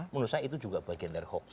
menurut saya itu juga bagian dari hoax